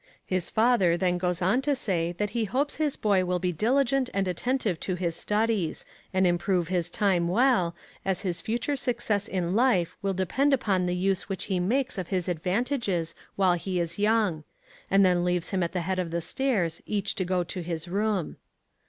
His father then goes on to say that he hopes his boy will be diligent and attentive to his studies, and improve his time well, as his future success in life will depend upon the use which he makes of his advantages while he is young; and then leaves him at the head of the stairs, each to go to his room.